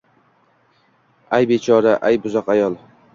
Ay bechora, ay buzuq ayol